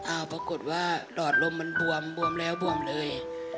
ปรากฏว่าหลอดลมมันบวมบวมแล้วบวมเลย